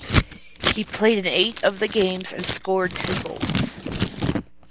He played in eight of the games and scored two goals.